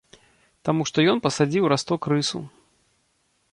Таму што ён пасадзіў расток рысу.